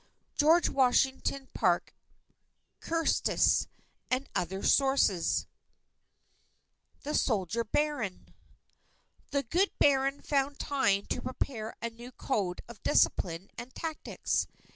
George Washington Parke Custis, and Other Sources THE SOLDIER BARON _The good Baron found time to prepare a new code of discipline and tactics